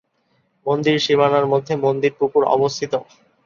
মন্দির সীমানার মধ্যে মন্দির পুকুর অবস্থিত।